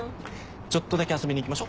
ちょっとだけ遊びに行きましょ？